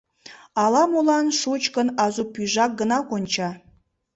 Ала-молан шучкын азу пӱйжак гына конча.